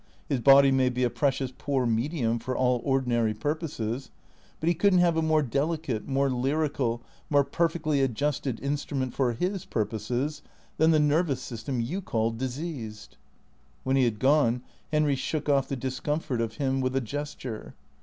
His body may be a precious poor medium for all ordinary purposes. But he could n't have a more delicate, more lyrical, more perfectly adjusted instrument for his purposes than the nervous system you call diseased." When he had gone Henry shook off the discomfort of him with a gesture.